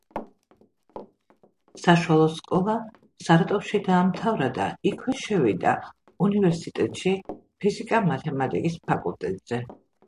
საშუალო სკოლა სარატოვში დაამთავრა და იქვე შევიდა უნივერსიტეტში ფიზიკა-მათემატიკის ფაკულტეტზე.